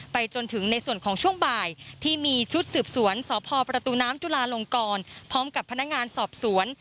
จนถึงในส่วนของช่วงบ่ายที่มีชุดสืบสวนสพประตูน้ำจุลาลงกรพร้อมกับพนักงานสอบสวน